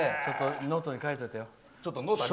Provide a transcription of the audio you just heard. ノートに書いておいてよ。